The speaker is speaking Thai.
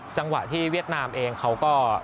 จังหวะที่เวียดนามเองเขาก็